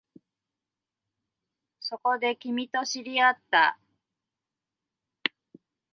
そこで、君と知り合った